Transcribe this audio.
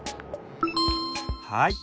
はい。